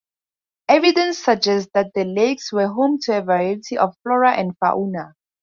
Evidence suggests that the lakes were home to a variety of flora and fauna.